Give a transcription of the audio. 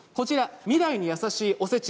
未来にやさしいおせち。